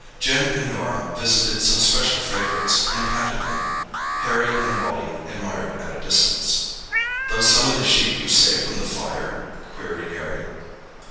Jim and Norah visited some special favourites, and patted them. Harry and Wally admired at a distance. "Those some of the sheep you saved from the fire?" queried Harry.